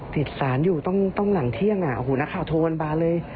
ติดศาลอยู่ต้องหลังเที่ยงนักข่าวโทรกันมาเลย